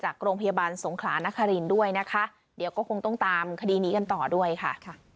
โรงพยาบาลสงขลานครินด้วยนะคะเดี๋ยวก็คงต้องตามคดีนี้กันต่อด้วยค่ะ